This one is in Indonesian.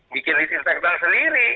bikin disinfeksi sendiri